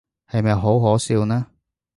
係咪好可笑呢？